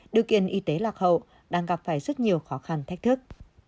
điều kiện y tế lạc hậu đang gặp phải rất nhiều khó khăn thách thức